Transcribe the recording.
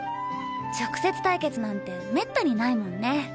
直接対決なんてめったにないもんね。